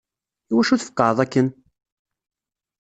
Iwacu tfeqeεeḍ akken?